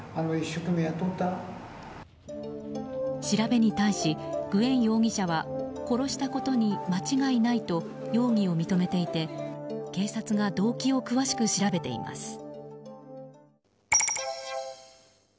調べに対し、グエン容疑者は殺したことに間違いないと容疑を認めていて警察が動機を詳しく調べています。